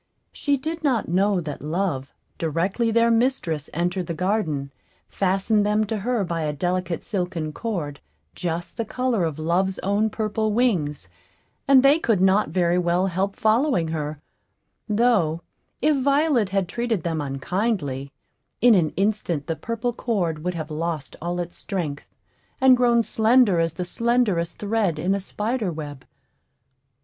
She did not know that Love, directly their mistress entered the garden, fastened them to her by a delicate silken cord, just the color of Love's own purple wings, and they could not very well help following her; though, if Violet had treated them unkindly, in an instant the purple cord would have lost all its strength, and grown slender as the slenderest thread in a spider web.